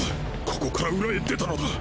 ここから裏へ出たのだ！